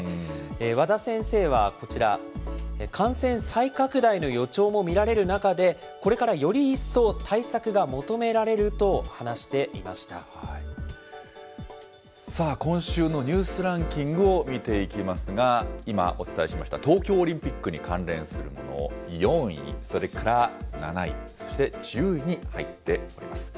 和田先生はこちら、感染再拡大の予兆も見られる中で、これからより一層、対策が求められると話しさあ、今週のニュースランキングを見ていきますが、今、お伝えしました東京オリンピックに関連するもの、４位、それから７位、そして１０位に入っております。